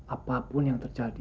apapun yang terjadi